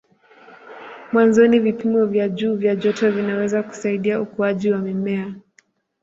Mwanzoni vipimo vya juu vya joto vinaweza kusaidia ukuaji wa mimea.